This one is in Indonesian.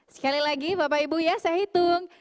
sekali lagi bapak ibu ya saya hitung